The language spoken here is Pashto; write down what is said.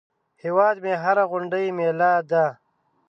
هیواد مې هره غونډۍ مېله ده